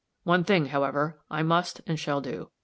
One thing, however, I must and shall do.